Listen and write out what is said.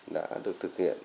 đã được thực hiện